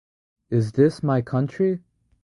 Is This My Country?